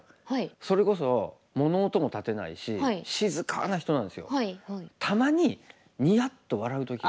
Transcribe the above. それこそ物音も立てないし静かな人なんですよ。